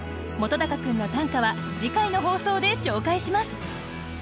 本君の短歌は次回の放送で紹介します。